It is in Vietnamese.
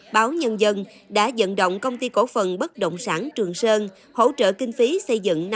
báo nhân dân đã dẫn động công ty cổ phần bất động sản trường sơn hỗ trợ kinh phí xây dựng